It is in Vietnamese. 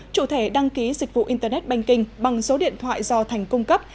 chủ thể đăng ký dịch vụ internet banking bằng số điện thoại do thành cung cấp